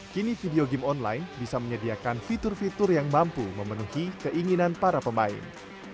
kini video game online bisa menyediakan fitur fitur yang mampu memenuhi keinginan para pemain